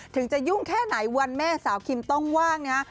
ถึงจะยุ่งแค่ไหนวันแม่สาวคิมต้องว่างนะฮะ